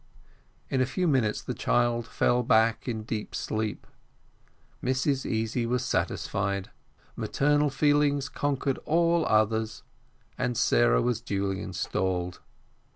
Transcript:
In a few minutes the child fell back in a deep sleep. Mrs Easy was satisfied; maternal feelings conquered all others, and Sarah was duly installed.